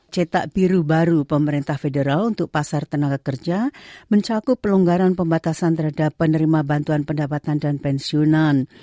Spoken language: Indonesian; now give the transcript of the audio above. cetak biru baru pemerintah federal untuk pasar tenaga kerja mencakup pelonggaran pembatasan terhadap penerima bantuan pendapatan dan pensiunan